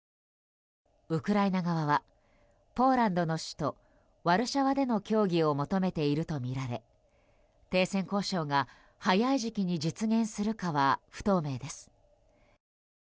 ウクライナ側はポーランドの首都ワルシャワでの協議を求めているとみられ停戦交渉が早い時期に実現するかは不透明です。